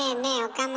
岡村。